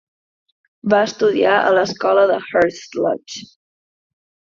Va estudiar a l'escola de Hurst Lodge.